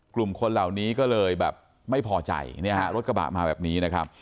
กลุ่มคนเหล่านี้ก็เลยไม่พอใจรถกระบะมาแบบนี้